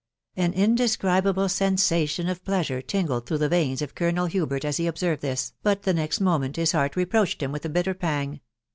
An indescribable sensation of pleasure tingled through the veins of Colonel Hubert as he observed this, but the next mo ment his heart reproached him with a bitter pang.